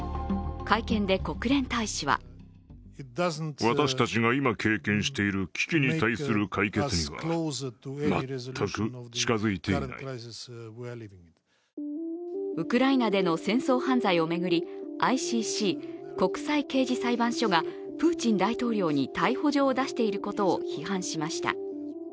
会見で国連大使はウクライナでの戦争犯罪を巡り、ＩＣＣ＝国際刑事裁判所がプーチン大統領に逮捕状を出していることを批判しました。